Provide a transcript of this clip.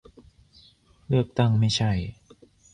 เลือกตั้งไม่ใช่